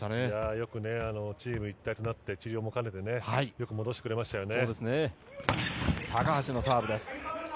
よくチーム一体となって治療もかねてよく戻してくれましたよね。